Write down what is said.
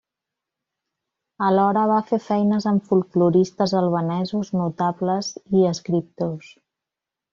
Alhora va fer feines amb folkloristes albanesos notables i escriptors.